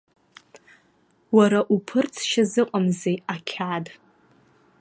Уара уԥырҵшьа зыҟамзеи, ақьаад?!